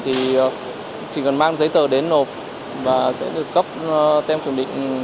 thì chỉ cần mang giấy tờ đến nộp và sẽ được cấp tem kiểm định